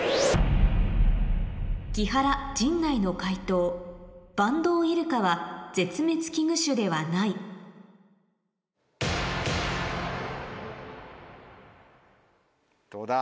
木原陣内の解答バンドウイルカは絶滅危惧種ではないどうだ？